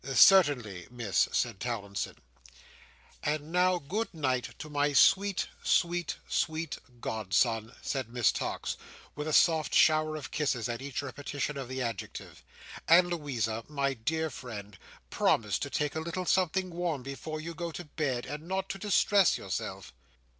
"Certainly, Miss," said Towlinson. "And now good night to my sweet, sweet, sweet, godson," said Miss Tox, with a soft shower of kisses at each repetition of the adjective; "and Louisa, my dear friend, promise me to take a little something warm before you go to bed, and not to distress yourself!"